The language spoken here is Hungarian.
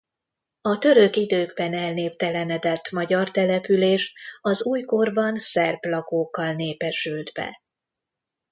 A török időkben elnéptelenedett magyar település az újkorban szerb lakókkal népesült be.